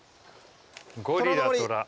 ゴリラ・トラ。